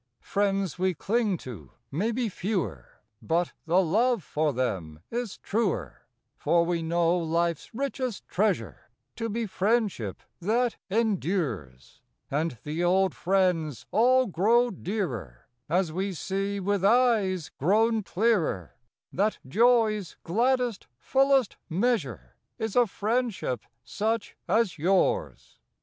Is a F riends xv)e clinq to mau be fe^Oer, But the loOe jor them is truer; fbr \Oe know life s richest treasure To be friendship that em dures, And the old jriends all qroxO dearer & As vOe see \oith eues qro\On clearer That joq's gladdest, fullest measure ' Is a friendship such as Ljours.